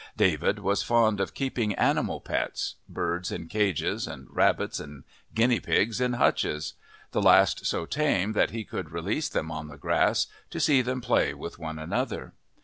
David was fond of keeping animal pets birds in cages, and rabbits and guinea pigs in hutches, the last so tame that he would release them on the grass to see them play with one another.